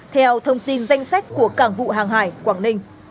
theo thông tin danh sách của cảng vụ hàng hải quảng ninh